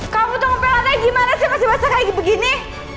kamu tuh ngopelannya gimana sih masih basah kayak begini